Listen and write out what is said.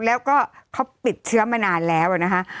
แล้วก็เขาติดเชื้อมานานแล้วนะคะ